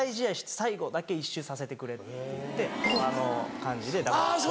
最後だけ１周させてくれるっていってあの感じで抱っこして。